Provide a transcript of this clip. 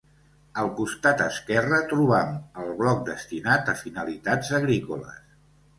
Al costat esquerre, trobam el bloc destinat a finalitats agrícoles.